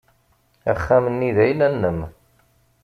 Axxam-nni d ayla-nnem.